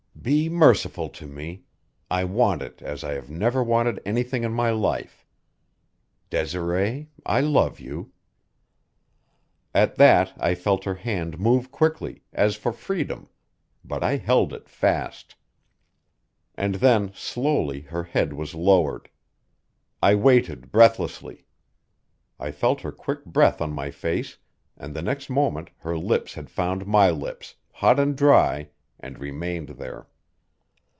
"Be merciful to me I want it as I have never wanted anything in my life. Desiree, I love you." At that I felt her hand move quickly, as for freedom, but I held it fast. And then slowly her head was lowered. I waited breathlessly. I felt her quick breath on my face, and the next moment her lips had found my lips, hot and dry, and remained there.